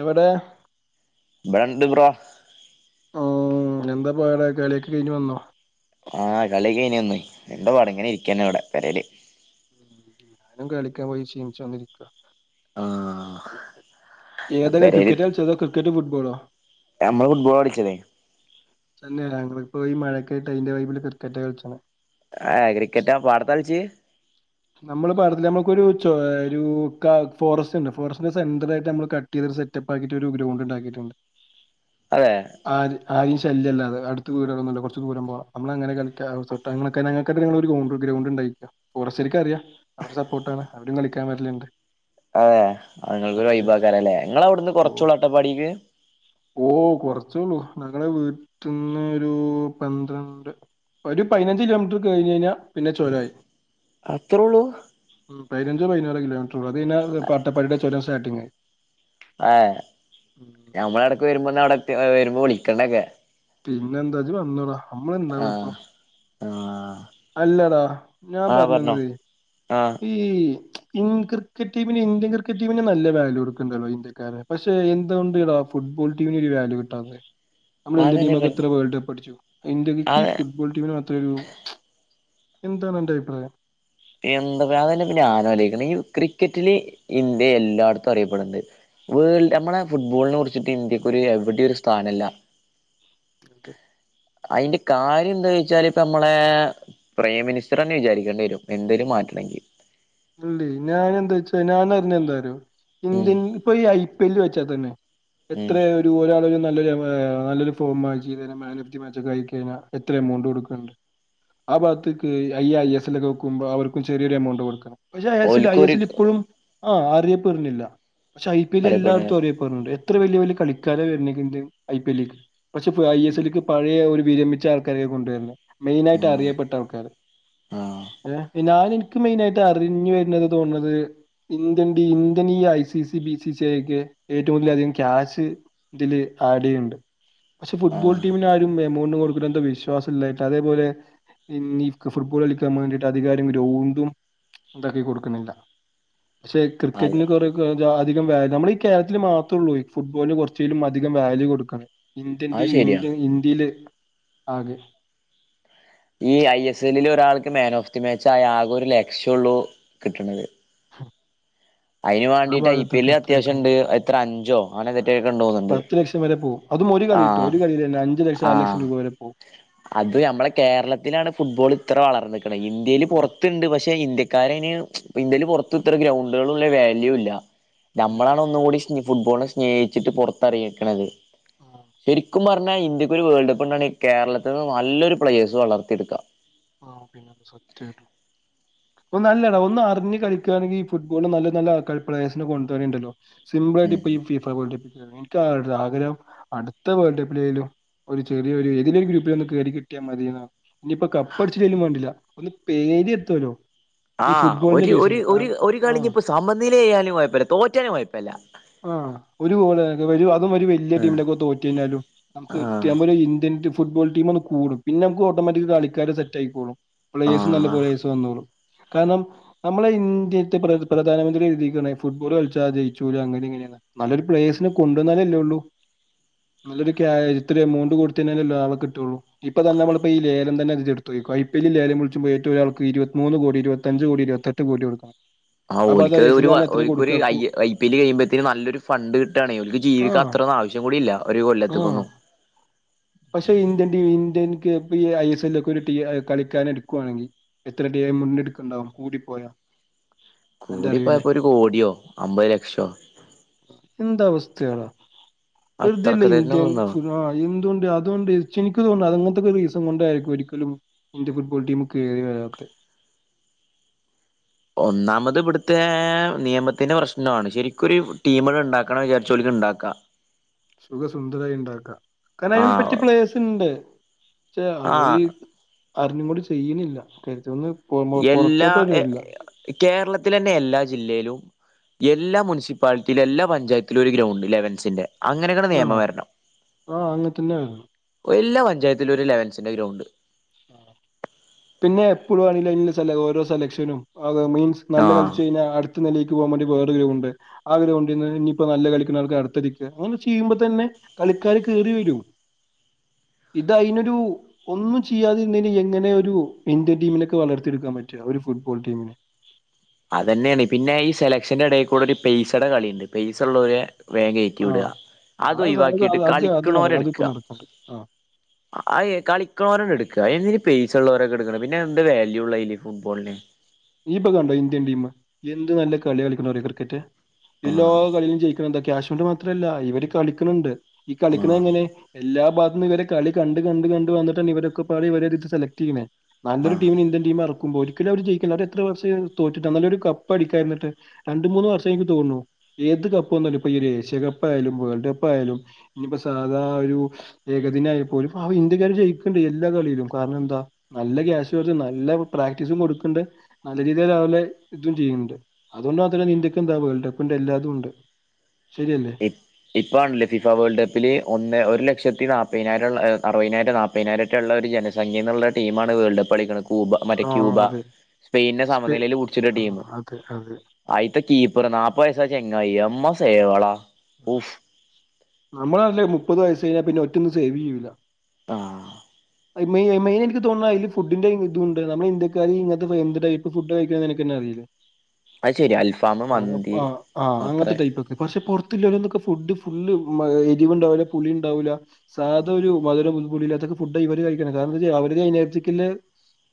എവിടെ ഇടെണ്ട് ബ്രാ. ഉ എന്താ പടടെ കളിയൊക്കെ കഴിഞ്ഞ് വന്നോ? ആഹ് കളിഒക്കെ കഴിഞ്ഞ് എന്ത പാട്, ഇങ്ങനെ ഇരിക്കന്ന അവിടെ പെരെല്. ഞാൻ. കളിക്കാൻ പോയി ക്ഷീണിച്ച് വന്നിരിക്ക. ആഹ. ഏത, ക്രിക്കറ്റാ കളിച്ചത് ക്രിക്കറ്റോ ഫുട്ബോളോ. നമ്മള്. ഫുഡ്ബോള കളിച്ചത്. തന്നെയ ഞങ്ങപ്പം മഴക്ക ആയിട്ട് അതിന്റെ വൈബില്, ക്രിക്കറ്റ് കളിച്ചത്. ആ ഏ് ക്രിക്കറ്റാ പാടത്ത കളിച്? നമ്മള പറഞ്ഞമ്മക്കുരു ചേ രു ക നമ്മക്കൊരു ഒരു ഫോറസ്റ്റ് ഉണ്ട്, ഫോറസ്റ്റിന്റെ സെന്റ ആയിട്ട് നമ്മൾ കട്ട് ചെയ് സ്റ്റെപാക്കിട്ട് ഒരു ഗ്രൂഡ് ണ്ടാക്കി ട്ടുണ്ട്. അതെ ആര് ഐഷ് ശല്യല്ല, അടുത്ത വീട്ന്നില്ല കുറച്ച് ദൂര പോണം നമ്മങ്ങനെ [unintelligible] ഗ്രൗണ്ട്ണ്ടാകി [unintelligible] അറിയാം അവര് സപ്പോർട്ടാണ് അവരും കളിക്കാൻ വരലുണ്ട്. അതെ അങ്ങൾക്ക് ഒരു അതെ വൈബാ ക്കാരല്ലേ നിങ്ങളവിടുന്ന് ഓ കൊറച്ചു ള്ളൂ അട്ടപ്പാടിക്ക് ഓ കൊറച്ചള്ളൂ ഞങ്ങള വീട്ടിന്നു ഒരു പന്ത്രണ്ട് ഒരു പയിനഞ്ച് കിലോമീറ്റർ കഴിഞ്ഞ് കഴിഞ്ഞാ പിന്നെ ചൊരായി. അത്രേള്ളൂ പയിനാറ് കിലോമീറ്റർ ഉള്ളൂ അത് കഴിഞ്ഞാ അട്ടപ്പാടിയുടെ ചൊരം സ്റ്റാട്ടിങ്ങ് ആഹ് ഞമ്മളടക്ക് വരുമ്പോന്ന അവിടെ വരുമ്പോ വിളിക്കണൊക്കെ പിന്നെ എന്താ ഇജ് വന്നെടാ നമ്മളെന്താവ ഇപ്പൊ ആഹ് ആഹ് അല്ലടാ ഞാൻ ആഹ് പറഞ്ഞോ പറഞ്ഞന്നത് ആഹ് ഈ ക്രിക്കറ്റ് ടീമിന് ഇന്ത്യൻ ക്രിക്കറ്റ് ടീമിന് നല്ല വാല്യു കൊടുക്ക്ണ്ടല്ലോ ഇന്ത്യക്കാരെ പക്ഷെ എന്തൊണ്ട്ടാ ഫുട് ബോൾ ടീമിന് ഒരു വാല്യു കിട്ടാത്തെ നമ്മുടെ ഇന്ത്യൻ അതന്നെ ടീമൊക്കെ പ എത്ര വേൾഡ് കപ്പ് അടിച്ചു ഇന്ത്യ അതെ ഫുട്ബോൾ ടീമിന് മാത്രൊരു എന്താണന്റെ അഭിപ്രായം എന്താ പറയാം അ തന്നെ പിന്നെ ആലോചിക്കുന്നത് ഈ ക്രിക്കറ്റില് ഇന്ത്യ എല്ലായിടത്തും അറിയപ്പെടുണ്ട് വേൾഡ് നമ്മളെ ഫുട്ബോള്ന് കുറിച്ചിട്ട് ഇന്ത്യക്ക് ഒരു എവിടെയും ഒരു സ്ഥാനല്ല അതെ അയിന്റെ കാര്യം എന്താ വെച്ചാല് ഇപ്പ നമ്മളെ പ്രൈം മിനിസ്റ്റർ ന്നെ വിചാരിക്കേണ്ടി വരും. എന്തേലും മാറ്റണങ്കി അല്ലേ ഞാൻ എന്താ വച്ചാ ഞാൻ അറിഞ്ഞ എന്താ റിയോ ഉം ഇന്ത്യൻ ഇപ്പൊ ഈ ഐ പി എല്ല് വെച്ചാ തന്നെ ഉം എത്രയ ഒരു ഒരാള നല്ലൊരു നല്ലൊരു ഫോം വാങ്ങി ചെയ്തെ മാനിഫ്റ്റി മാച്ചെക്കെയി കഴിഞ്ഞാൽ എത്ര എമൗണ്ട് കൊടുക്കണ്ട്. ആ ബാത്ത്ക്ക് അയ്യ ഐ എസ്ൽ വെക്കുമ്പോ അവർക്കും ചെ റിയൊരു എമൗണ്ടക്കെ കൊടുക്കണം പക്ഷെ ഐ എസ്ൽ ഐ ഓൽക്കൊരു എസ് എൽ ഇപ്പോഴും ആ അറിയപ്പരുന്നില്ല പക്ഷെ ഐ പി എൽ അറിയപ്പെട എല്ലാടത്തും അറിയപ്പെടുന്നുണ്ട് എത്ര വലിയ വലിയ കളിക്കാര വരുന്ന്ക്ക്ണ്ട് ഐ പി എല്ല്ക്ക് പക്ഷെ ഐ എസ് എല്ലക്ക് പഴയ ഒരു വിരമിച്ച ആൾക്കാരെയക്ക കൊണ്ടുവരുന്നേ മെയിന് ആയിട്ട് ആഹ് അറിയപ്പെട്ട ആൾക്കാര് ആഹ് ഏ ഞാൻ എനിക്ക് മെയിൻ ആയിട്ട് അറിഞ്ഞു വരുന്നത് തോണത് ഇന്ത്യ ഇന്ത്യൻ ഈ I C C B C C ആ ഒക്കെ ഏറ്റവും കൂടുതൽ അധികം ക്യാഷ് ഇതില് ആഡെയ്യണ്ട് പക്ഷെ ഫുട്ബോൾ ആഹ് ടീമിന് ആരും എമൗണ്ട് കൊടുക്കുല എന്ത വിശ്വാസം ഇല്ലായിട്ട് അതേപോലെ ഇന്ന് ഫുട്ബോൾ കളിക്കാൻ വേണ്ടിയിട്ട് [unintelligible] ഇതാക്കി കൊടുക്ക്ണില്ല. ശെ അതെ ക്രിക്കറ്റ്ന് കൊറെക്കെ അധികം വാല് നമ്മളെ ഈ കേരളത്തില് മാത്രേള്ളൂ ഫുട്ബോളിന് കൊർച്ചേലും അധികം വാല്യൂ കൊടുക്ക്ണ ഇന്ത്യൻ ടീ അത് ശരിയാ ഇന്ത്യൻ ഇന്ത്യയില് ആകെ ഈ ഐ എസ് എല്ലിൽ ഒരാൾക്ക് മാൻ ഓഫ് ദി മാച്ച് ആയാൽ ആകെ ഒരു ലക്ഷ്യള്ളൂ കിട്ടണത് [inaudible] അയിന് ആ വാണ്ടിട്ട് ഐ പി ഭാഗത്തൊക്കെ എല്ല എത്ര അത്യാവശ്യംണ്ട് കിട്ടണം എത്ര അഞ്ചോ അങ്ങനെ തെറ്റകൊണ്ട് തോന്നുണ്ട് പത്ത് ലക്ഷം വരെ പോകും അതും ഒരു കളിട്ടോ ഒരു കളിലെന്നെ അഞ്ചു ലക്ഷം ആറ് ലക്ഷം ആഹ് രൂപ വരെ പോവും. അത് നമ്മളെ കേരളത്തിലാണ് ഫുട്ബോൾ ഇത്ര വളർന്ന്ക്ക്ണെ ഇന്ത്യേൽ ആഹ് പൊറത്തുണ്ട് പക്ഷെ ഇന്ത്യക്കാര ഇപ്പ ഇന്ത്യയിൽ പൊർത്ത് ഇത്ര ഗ്രൗണ്ടുകളും ഇല്ല വാല്യൂ ഇല്ല ഇല്ല നമ്മളാണ് ഒന്ന് കൂടി ഫുട്ബോളിനെ സ്നേഹിച്ചിട്ട് പൊർ ത്തറിയിക്കണത് ആഹ് ശരിക്കും പർ പിന്നെ ഇന്ത്യക്ക് ഒരു വേൾഡ് കപ്പ് ഉണ്ടാന്നാൽ ഈ കേരളത്തിൽന്ന് നല്ലൊരു പ്ലയേഴ്സ് വളർത്തി യെടുക്കാം. ആഹ പിന്നെന്ന് സത്യട്ടോ ഒന്നല്ലടാ ഒന്ന് അറിഞ്ഞ് കളിക്കാ ണെങ്കി ഈ ഫുട്ബോള് നല്ല നല്ല ആൾക്കാരെ പ്ലേഴസിനെ കൊണ്ടുവരെണ്ടല്ലെ സിമ്പളായിട്ട് ഉം ഇപ്പംഈ ഫിഫാ വോൾഡ്കപ്പ് എനിക്ക് ആഗ്രഹം അടുത്ത വേൾഡ് കപ്പിലേലും ഒരു ചെറിയൊരു ഏതിലൊരുഒരു ഗ്രൂപ്പില ഒന്ന് കയറി കിട്ടാൽ മതിയ ഇനിയിപ്പോ പഠിച്ചിട്ടലും വേണ്ടില്ല ഒന്ന് പേര് എത്തുല്ലോ ആ ഒര് ഒര് ഒര് ഒര് ആഹ് കളിഞ്ഞ് ഇപ്പൊ സമനിലയാലും കെപ്പല്ല്യാ തോറ്റാലും കെയ്പ്പല്യാ ആ ഒരു ഗോള് അതും വലിയ ടീമിന്റെ ഒക്കെ തോറ്റ് കഴിഞ്ഞാലും ആഹ് നമുക്ക് ഇന്ത്യ ഫുട്ബോൾ ടീം ഒന്ന് കൂടും. പിന്നെ നമുക്ക് ഓട്ടോമാറ്റിക് കളിക്കാരും സെറ്റായിക്കോളും. പ്ലെയെഴ്സ് നല്ല ആഹ് പ്ലയെര്സ് വന്നോളും കാരണം നമ്മളെ ഇന്ത്യത്തെ പ്രധാ പ്രധാനമന്ത്രി കരുതിക്കാണ് ഫുട്ബോൾ കളിച്ചാൽ ജയിച്ചുല അങ്ങനെ ഇങ്ങനെ നല്ലൊരു പ്ലേയേസിന് കൊണ്ടുവന്നാലല്ലേ ഉള്ളു. നല്ലൊരു ക്കെ ആയ ഇത്ര എമൗണ്ട് കൊടുത്തുകഴിഞ്ഞാലെ ആളെ കിട്ടുള്ളൂ. ഇപ്പൊ തന്നെ നമ്മളിപ്പയീ ലേലം തന്നെ എടുത്തു ഐ പി എൽ ലേലം വിളിച്ചപ്പോ ഏറ്റവും ഒരാൾക്ക് ഇരുപത്തിമൂന്ന് കോടി ഇരുപത്തഞ്ച് കോടി ഇരുപത്തെട്ട് കോടി കൊടുക്കണം. ആഹ് അപ്പൊ അത് ഐ ഓൽക്ക് എസ് എൽ ഒരു കാരന് എത്രയാ ഒരുഐ കൊടുക്കാക്കൂ ഐ പി എൽ കഴിയുമ്പോഴ്ത്തേന് നല്ലൊരു ഫണ്ട് കിട്ടാണെ. ഓൽക്ക് ജീവിക്കാ ആഹ് ത്ര ആവശ്യം കൂടിയില്ല ഒരു ആഹ് കൊല്ലത്തെക്കൊന്നും പക്ഷെ ഇന്ത്യൻ ടീമിൽ ഐ എസ് എൽ ഒക്കെ ഒരു കളിക്കാനെടുക്കുവാണെങ്കി എത്ര [unintelligible] യി മുന്നെടുക്കുണ്ടാവും കൂടിപ്പോയാ അന്റെ കൂടിപ്പോയാ അറിവില് ഇപ്പൊ ഒരു കോടിയോ അമ്പ ലക്ഷോ എന്ത് അവസ്ഥയാടാ? വെറുതെയല്ല അത്രൊക്കെ തന്നെ ഇന്ത്യൻ തോന്നുണു ഫു ആ എന്തുകൊണ്ട് അതുകൊണ്ട് [unintelligible] അങ്ങനത്തക്കെ ഒരു റിസൺ കൊണ്ടായിരിക്കും ഒരിക്കലും ഇന്ത്യ ഫുട്ബോൾടീമ് കേറി വരാത്തെ ഒന്നാമത് ഇവിടുത്തെ നിയമത്തിന്റെ പ്രശ്നമാണ് ശരിക്കൊരു ടീമുകൾ ഉണ്ടാക്കണം ന്ന് വിചാരിച്ച ഇണ്ടാക്കാ സുഖ സുന്ദരായി ഇണ്ടാക്കാ കാരണം അയിന് പറ്റിയ ആഹ് പ്ലെയേഴ്സസ്ണ്ട്. പക്ഷെ അവര് ആഹ് അറിഞ്ഞും കൊണ്ട് ചെയ്യുന്നില്ല [unintelligible] എല്ലാം പുറത്തോട്ട് വരില്ല കേരളത്തിലെന്നെ എല്ലാ ജില്ലയിലും എല്ലാ മുനിസിപ്പാലിറ്റിയിലും എല്ലാ പഞ്ചായത്തിലും ഒരു ഗ്രൗണ്ട് ലെവൻസിന്റെ അങ്ങനെയും കൂടെ ആ നിയമം വരണം. ആ അങ്ങനെ തന്നെ വരുന്നു എല്ലാ പഞ്ചായത്തിലും ഒരു ലെവൻസിന്റെ ഗ്രൗണ്ട് പിന്നെ എപ്പളും വാണങ്കിലും അയിന് ള്ള സെ ഓരോ സെലക്ഷനും അത് മീൻസ് നല്ല ആഹ് കളിച്ച് കഴിഞ്ഞാൽ അടുത്ത നിലയിൽ കളിക്കു പോവാൻ വേണ്ടി വോറെ കീഴെ മുമ്പോ അതിന് കൊണ്ട് ചെന്ന് ഇപ്പോ നല്ല കളിക്കുന്നർക്ക് അടുത്ത അങ്ങനെ ചെയ്യുമ്പ തന്നെ കളി ഇക്കാര് കേറിവരു ഇത് അയിനൊരു ഒന്നു ചെയ്യാതിരുന്നാ എങ്ങനെ ഒരു ഇന്ത്യൻ ടീമിനൊക്കെ വളർത്തിയെടുക്കാൻ പറ്റ? ഒരു ഫുട്ബോൾ ടീമിന് അതു തന്നെയാണ് പിന്നെ ഈ സെലക്ഷന്റെ എടയിൽ കൂടെ ഒരു പയ്സയുടെ കളിയുണ്ട്. പയ്സ ഉള്ളെരു വേം കേറ്റി വിട. ആഹ് അത് ഒഴിവാക്കിട്ട് അത് അത് അത് നട കളിക്ക്ണോരെ എട്ക്ക. അതിപ്പോ നടക്ക്ണ്ട് ആഹ് അയ് കളിക്കണവരണ്ടെടുക്കുക പൈസ ഉള്ളോരല്ലേ ഇട്ക്ക്ണെ പിന്നെ എന്ത് വാല്യൂള്ള അയ്ല് ഫുട്ബോൾന്? നീയിപ്പൊ കണ്ടോ ഇന്ത്യൻ ടീം എന്ത് നല്ല കളി കളിക്കണെ ക്രിക്കറ്റ് എല്ലാ ആഹ് കളികളും ജയിക്കും. എന്ത് കാശുകൊണ്ടു മാത്രല്ല ഇവര് കളിക്കണുണ്ട്. ഈ കളിക്കുന്നത് ആഹ് എങ്ങനെ? എല്ലാ ഭാഗത്തും ഇവരുടെ കളി കണ്ട് കണ്ട് കണ്ട് വന്നിട്ടാണ് ഇവരൊക്കെ പാടെ ഇവരെ സെലക്ട്യ്യെണേ നല്ല ഒരു ആഹ് ടീമിനെ ഇന്ത്യൻ ടീം എർ ക്കുമ്പോ ഒരിക്കലും അവര് ജയിക്കല്ല രണ്ട് വർഷം ആയുള്ളൂ തോറ്റിട്ട് നല്ലൊരു കപ്പ് അടിക്കായിരുന്നിട്ട് രണ്ട് മൂന്ന് വർഷം എനിക്ക് തോന്ന് ണു ഏത് കപ്പ് വ ഒരു ഏഷ്യ കപ്പായാലും വേൾഡ് കപ്പായാലും ഇനിപ്പോ സാധാ ഒരു ഏകദിനായ പ്പോലും അവര് എല്ലാരും ജയിക്ക്ണ്ട് എല്ലാ കളിയിലും കാരണം എന്താ നല്ല ക്യാഷ് വരും. നല്ല പ്രാക്ടീസും കൊടുക്ക്ണ്ട്. നല്ല രീതിയിൽ രാവിലെ ഇതും ചെയ്യുന്നുണ്ട്. അതുകൊണ്ട് മാത്രമേ ഇന്ത്യക്കെന്താ വേൾഡ് കപ്പിന്റെ എല്ലാതും ഉണ്ട് ശരിയല്ലേ ഇപ്പ ഇപ്പണ്ടില്ലേ ഫിഫ വേൾഡ് കപ്പില് ഒന്ന് ഒരു ലക്ഷത്തി നാപ്പ മുപ്പതിനായിരം ഉള്ള അറുപതിനായിരം നാൽപ്പതിനായിരം ഒക്കെയുള്ള ഒരു ജനസംഖ്യയിന്നുള്ള ടീമാണ് വേൾഡ്കപ്പ് കളിക്കുന്നത് ക്യൂബ മറ്റേ ക്യൂബ ആഹ് അതെ സ്പൈനെ സ്പെ സമനിലയില് പുട്ച്ച്ണ ടീം ആഹ് അതെ അതെ അയ്തേ ഒരു നാപ്പ വയസ്സായ ചെങ്ങായി [unintelligible] ഉഫ് നമ്മളല്ലേ മുപ്പത് വയസാ കഴിഞ്ഞാ പിന്നെ ഒറ്റൊന്നും സേവെയ്യൂല. ആ മെയി മെയിൻ എനിക്ക് തോന്നുന്നു അതിൻ്റെ ഫുഡിന്റെ ഇതുണ്ട് നമ്മള് ഇന്ത്യക്കാര് ഇങ്ങനത്തെ എന്ത് ടൈപ്പ് ഫുഡ് കഴിക്കുന്നാന്ന് എനക്ക്തന്നെ അറിയില്ല. അത് ശരിയാ അൽഫാമ് മന്തി ആ ആ അത്ര അങ്ങത്തെ ടൈപ്പൊക്കെ പഷേ കൊർ ക്ക് ഫുഡ് ഫുൾ എരിവ് ഉണ്ടാവില്ല പുളി ഉണ്ടാവില്ല സാധാ ഒരു മധുരവും പുളിയില്ലാത്തതൊക്കെ ഫുഡാ ഇവര് കഴിക്ക കാരണം എന്താ അവര് കഞ്ഞച്ചക്കില്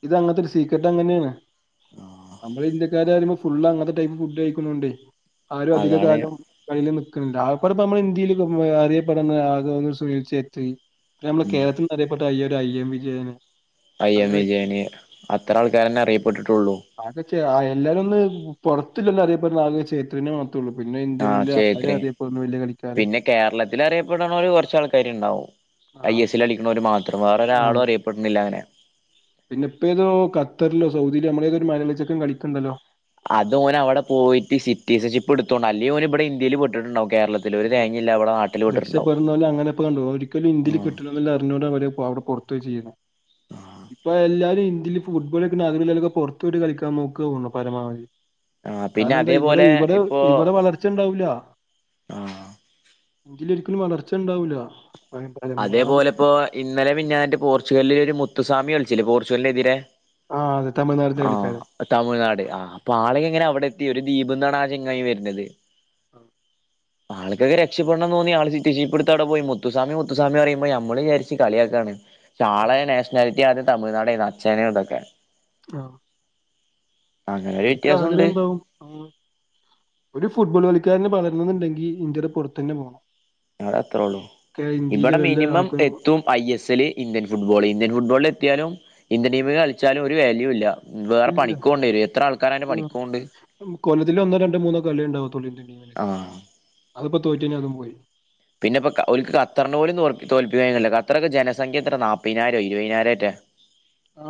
ഇത് അങ്ങനത്തെ ഒരു സീക്രറ്റ് അങ്ങനെയാണ്. നമ്മള് ഇന്ത്യക്കാര് പറയുമ്പോ ഫുളള് അങ്ങത്തെ ടൈപ്പ് ഫുഡ് കഴിക്കുന്നുണ്ടോ? ആരും അധിക അതാണ് കാലം കയ്യില് നി ക്ക്ണണ്ട് ‌ ആകപ്പാടെ പ്പ നമ്മളെ ഇന്ത്യയില് അറിയപ്പെടുന്ന [unintelligible] നമ്മള് കേരളത്തിൽ അറിയപ്പെട്ട അയ്യരു ഐ എം വിജയന്. [inaudible] അയ്യം അങ്ങനെ വിജയന് അത്ര ആൾക്കാരന്നെ അറിയപ്പെട്ടിട്ടുള്ളു. പുറത്തില്ലന്ന് അറിയപ്പെുന്ന ആകെ ചേതുനേ മാത്രഉള്ളൂ പിന്നെ ആഹ് ഇന്ത്യനിൽ ആര ചേത്രി അറിയപ്പെടുന്ന പിന്നെ കേരളത്തിൽ അറിയപ്പെടണര് കുറച്ച ആൾക്കാര് ഉണ്ടാവും. ആ ഐ എസ്സിൽ അടിക്കുന്നവര് മാത്രം വേറെ ആ ഒരാളും അറിയപ്പെടുണില്ല അങ്ങനെ. പിന്നെ ഇപ്പോതോ ഖത്തറിലോ സൗദിയിലെ നമ്മളെതൊരു മലയാളിച്ചൊക്കെൻ കളിക്കണ്ടല്ലോ? അത് ഓൻ അവിടെ പോയിട്ട് സിറ്റീസൺഷിപ്പെടുത്തോണ്ട അല്ലെ ഓൻ ഇവിടെ ഇന്ത്യയില് പെട്ടിട്ടുണ്ടാവും. കേരളത്തിൽ ഒരു മ് തേങ്ങയില്ല ഇവിടെ നാട്ടിൽ പെട്ടിട്ടുണ്ടാവും രക്ഷപ്പെടുന്നല് അങ്ങനെപ്പ കണ്ടുവോ ഒരിക്കലും ഇന്ത്യയില് കിട്ട അറിഞ്ഞൂടെ ഇപ്പ അവിടെ പുറത്തുവെച്ചിരിക്കുന്ന ഇപ്പ എല്ലാരും ഇ ഇന്ത്യയിൽ ഫുട്ബോൾ കളിക്കുന്ന ആളുകളൊക്കെ പുറത്തു പോയിട്ട് കളിക്കാൻ നോക്കുയുള്ളൂ. പരമാവധി ആഹ് പിന്നെ കാരണം എന്താ ഇവിടെ അതേപോലെ ഇവിടെ ഇപ്പോ ഇവിടെ വളർച്ച ഉണ്ടാവൂല. ആഹ് എങ്കില് ഒരിക്കലും വളർച്ച ഉണ്ടാവൂല പരമാവധി അതേപോലെ ഇപ്പോ ഇന്നലെ മിഞ്ഞാനന്റെ പോർച്ചുഗലിൽ ഒരു മുത്തുസ്വാമി കളിച്ചില്ലേ പോർച്ചുഗലിനെതിരെ ആ അതെ തമിഴ്നാടിന്റെ കളിക്കാരൻ ആഹ് തമിഴ്നാട് ആ അപ്പൊ ആള്ക്കെ എങ്ങനെ അവിടെ എത്തി ഒരു ദ്വീപിന്റെ അ ങ്ങായി വരുന്നത് ആഹ് ആൾക്കൊക്കെ രക്ഷപ്പെടണംന്ന് തോന്നി ആൾ ജീപ്പെടുത്തവിടെ പോയി മുത്തുസ്വാമി മു സ്വാമി പറയുമ്പോ ഞമ്മള് വിചാരിച്ച് കളിയക്കാണ് ആ, ചാളെ നാഷണാലിറ്റ തി ആദ്യം തമിഴ്നാടയിരുന്ന് അച്ഛനും ഇതൊക്കെ ആഹ് അങ്ങനെ ഒരു ഇവർക്ക് ആഗ്രഹം വ്യത്യാസമുണ്ട് ഉണ്ടാവും ഒരു ഫുട്ബോൾ കളിക്കാരന് വള ന്നുണ്ടെങ്കി ഇന്ത്യയുടെ പുറത്തന്നെ പോകണം ആടാ അത്രേ ഉള്ളൂ കേ- ഇന്ത്യയിലെ ഇവിടെ വല്ല മിനിമം ആൾക്കാരും എത്തും I S L Indian football Indian ഫുട്ബോളിലെത്തിയാലും ഇന്ത്യൻ ടീമ കളിച്ചാലും ഒരു വാല്യൂ ഇല്ല വേറെ പണിക്ക് പോണ്ടി വരും എത്ര ആൾക്കാരാ അതിന്റെ പണിക്ക് പോണ്ട് മ് കൊല്ലത്തില് ഒന്നോ രണ്ട് മൂന്നോ കളിഉണ്ടാവത്തോള് ഇന്ത്യൻ ടീമിലെക്ക് ആഹ് അതിപ്പ തോറ്റ്കഴിഞ്ഞ അതും പോയി പിന്നെപ്പ ഒലുക്ക് കത്തറിന് പോലും തോ തോൽപ്പിക്കഴിഞ്ഞില്ല ഖത്തറൊക്കെ ജനസംഖ്യ എത്ര നാപ്പതിനായിരോ ഇരുപതിനായിരറ്റെ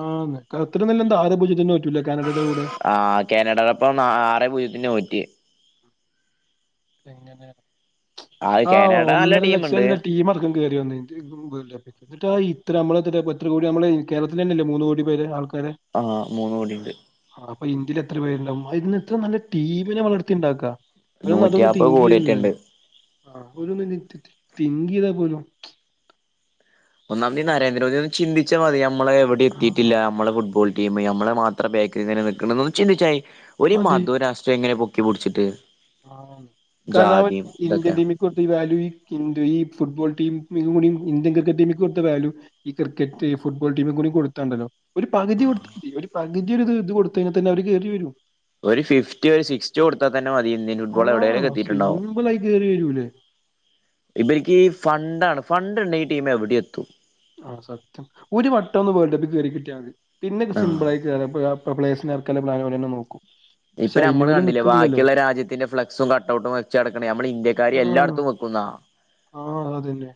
ആ നിനക്ക് അത്ര നല്ല എന്താ ആരെ പൂജ്യത്തിന് തോറ്റില്ല കാനഡയുടെ കൂടെ ആ കാനഡടെപ്പം നാ ആറെ പൂജ്യത്തി നോറ്റിയെ എങ്ങനെ ആ ആഹ് കാനഡ നല്ല ഒന്നര ടീമുണ്ട് ലക്ഷംല്ലാ ടീം ആർക്കും കേറി വന്ന എന്നിട്ട [unintelligible] ത്തര നമ്മള് എത്തര ത്തരകോടി നമ്മള് കേരത്തിൽ തന്നെയല്ല മൂന്ന് കോടി പേരെ ആൾക്ക് ആഹ് മൂന്നുകോടിയുണ്ട് അപ്പൊ ഇന്ത്യയിൽ എത്ര പേരുണ്ടാവും അതിന് എത്ര നല്ല ടീമിനെ വളർത്തി ഉണ്ടാക്ക നൂറ്റിയ അ ങ്കീല്ലോ ആ ഒരു മിനിറ്റ് തിങ്കീചെയ്താ പോലും ഒന്നാംമതീ നരേന്ദ്രമോദി ഒന്ന് ചിന്തിച്ച മതി നമ്മള് എവിടെ എത്തിട്ടില്ല ആഹ് നമ്മള് ഫുട്ബോൾ ടിംമ് നമ്മെ മാത്രം ബക്കി ഇങ്ങനെ നിക്കണതെന്ന് ചിന്തിച്ചായി ഒരു മധോരാഷ്ട്രിയം ഇങ്ങനെ പൊക്കിപിടിച്ചിട്ട്. ആ [unintelligible] ഇന്ത്യൻ ഇതൊക്കെ ടീംമിൽ കൊടുത്ത ഈ വാല്യു ഈ കിന്തു ഈ ഫുട്ബോൾ ടീം. യൂണിയന്‍ ഇന്ത്യൻ ക്രിക്കറ്റ് ടീമ കൊടുത്ത വാല്യു ഈ ക്രിക്കറ്റ് ഫുട്ബോൾ ടീമ കൂടി കൊടുത്താണ്ടല്ലോ ഒരു പകുതി കൊടുത്തമതി ഒരു പകുതി ഒരിത് ഇത് കൊടുത്തൽ തന്നെ അവര് കയറി വരും. ഒരു ഫിഫ്റ്റി ഒരു സിക്സ്റ്റി കൊടുത്താൽ തന്നെ മതി ഇന്ത്യൻ ഫുട്ബോൾ എവിടെലേക്ക് ആഹ് എത്തിയിട്ടുണ്ടാവോ സിമ്പിളായി കേറി വരൂലേ ഇപ്പ എനിക്ക് ഈ ഫണ്ടാണ് ഫണ്ട് ഇണ്ട് ഈ ടീമ് എവിടെ എത്തും ആ സത്യം ഒരു വട്ടം ഒന്ന് വേൾഡ് കപ്പിൽ ക കേയറി കിട്ടിയ മതി പിന്നെ ആ സിമ്പിൾ ആയി കയറുമ്പഴാ ഇപ്പോ സ്പ്ലസിനക്കല്ല പ്ലാൻന്നെ നോക്കും പക്ഷെ ഇപ്പൊ അയിന് നമ്മള് പോലും കണ്ടില്ലേ നിക്കുന്നില്ലല്ലോ ബാക്കിയുള്ള രാജ്യത്തിന്റെ ഫ്ലെക്സും കട്ടഔട്ടും വെച്ചുടക്കണേ ഞമ്മള് ഇന്ത്യക്കാര് എല്ലായിടത്തും വെക്കും ന്നാ ആ അതന്നെ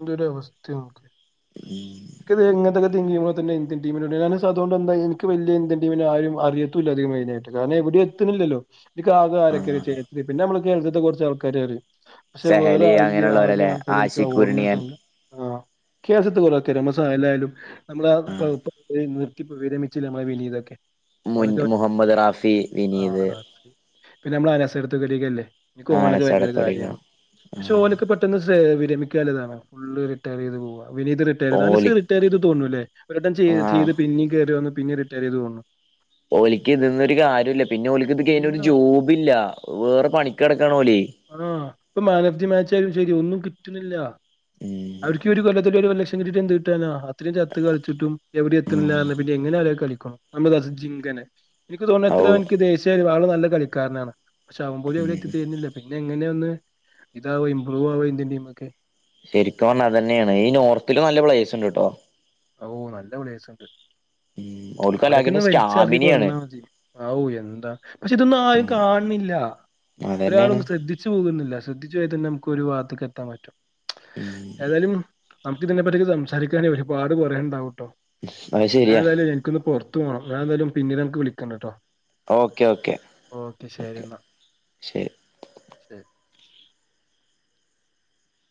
എന്തൊരു അവസ്ഥയാ നിക്ക് ത് ഇങ്ങനക്കത്തെ തന്നെ ഇന്ത്യൻ ടീമിന അതുകൊണ്ട് എന്തായി എനിക്ക് വലിയ ഇന്ത്യൻ ടീമ് ആരെയും അറിയത്തും ഇല്ല അധികായിട്ട് കാരണം എത്തുന്നില്ലല്ലോ എനിക്ക് ആകെ ആരൊക്കെ ആഹ് പിന്നെ നമ്മള് കേരളത്തെ കുറച്ച് ആൾക്കാരെ അറിയും പക്ഷേ വേറെ സെഹലി ആരേയും ആദ്യ അങ്ങനെയുള്ളവരല്ലേ ആൾക്കാരെ എനിക്ക് ആഷിഖ് ഓർമ്മയില്ല കുരുണിയൻ ആ കേസത്തെ കൊലക്കെ രമസ എല്ലായാലും നമ്മള് ആ ഇപ്പപ്പോ വരെ മിച്ചിൽ നമ്മെലിയതൊക്കെ മുൻ നൊക്കെ മുഹമ്മദ് റാഫി വിനീത് ആരി പിന്നെ നമ്മള അനാസ എടുത്തക്കല്ലേ ഓനൊക്കെ ഭയങ്കര കാര്യ ആനച്ചടത്തൊടിക ആരുന്നു പക്ഷേ ഓനൊക്കെ പെട്ടെന്ന് വിരമിക്കാൻതാണ് ഫുള്ള് റിട്ടയർ ചെയ്ത് പോക വിനീത് റിട്ടയർ ചെയ്ത് ഓലി അനസ് റിട്ടയർ ചെയ്ത് തോന്നൂല്ലേ റിട്ടയർ ആഹ് ചെയ്ത് പിന്നീ കേയറി വന്ന് പിന്നെ റിട്ടയർ ചെയ്ത് തോന്നു ഓലിക്ക് ഇതിന്നൊരു കാര്യമില്ല പിന്നെ ഓലിക്ക് ഇത് കഴിഞ്ഞ ഇല്ല ഒരു ജോബ് ഇല്ല വേറെ പണി നടക്കാണ് ഓല് ആ ഇപ്പൊ മാൻ ഓഫ് ദി മാച്ച ആയാലും ശരി ഒന്നും കിട്ടുന്നില്ല അവർക്ക് ഒരു കൊല്ലത്തില് ഒരു ലക്ഷം കിട്ട് എന്ത് കിട്ടാനോ ഇത്രയും ചത്ത് കളിച്ചിട്ടും എവിടെ ഉം എത്തണില്ലാ പിന്നെ എങ്ങനെ ആരും കളിക്കണം നമ്മള് ജിങ്കനെ എനിക്ക് തോന്നുന്നു ഔ എത്ര എനിക്ക് ദേശീയ ഒരു ആള് നല്ല കളിക്കരനാണ് പക്ഷെ അവൻ പോലും അവരെ ഉം എത്തിത്ത തരുന്നില്ല പിന്നെ എങ്ങ അങ്ങനെയ ഒന്ന് ഇതാവോ ഇമ്പ്രൂവ് ആവോ ഇന്ത്യൻ ടീമ ഒക്കെ ശരിക്കും പറഞ്ഞാൽ അത് തന്നെയാണ് ഈ നോർത്തില് നല്ല പ്ലേസ്ണ്ട് കേട്ടോ ഓ നല്ല പ്ലേസ്സുണ്ട് ഓ അവരൊക്കെന്ന് വലിച്ച ഇറക്കി കൊറന്നാൽ മതി ഔ എന്താ പക്ഷെ ഇതൊന്നും ആരും കാണണില്ല അതന്നെയാണ് ഒരാളൊന്നും ശ്രദ്ധിച്ച് പോകുന്നില്ല ശ്രദ്ധിച്ച പോയ തന്നെ നമുക്ക് ഒരു വാ ക്കാൻ പറ്റും ഉം ഏതായാലും നമുക്ക് ഇതിനെ പറ്റിക്കെ സംസാരിക്കാ ഒരുപാട് പറയാനുണ്ടാവും ട്ടോ അത് ഞാൻ ശരിയാ എതായാലും എനിക്കൊന്ന് പുറത്തു പോകണം ഞാന് എന്തായാലും പിന്നീട് ഞമ്മക്ക് വിളിക്കണ്ട്ട്ടോ ഓക്കെ ഓക്കെ ശരി ഓക്കെ എന്നാ ശരി ശരി